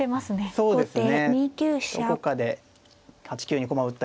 そうですね。